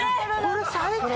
これ最高！